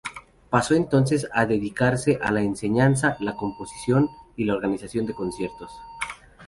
Pasó entonces a dedicarse a la enseñanza, la composición y la organización de conciertos.